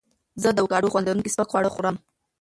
زه د اوکاډو خوند لرونکي سپک خواړه خوړم.